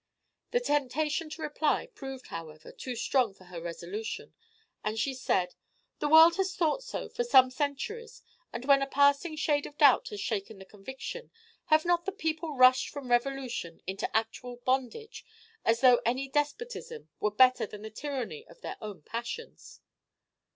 The temptation to reply proved, however, too strong for her resolution, and she said, "The world has thought so for some centuries; and when a passing shade of doubt has shaken the conviction, have not the people rushed from revolution into actual bondage, as though any despotism were better than the tyranny of their own passions?"